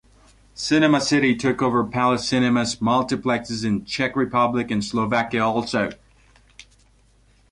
Cinema City took over Palace Cinemas' multiplexes in Czech Republic and Slovakia also.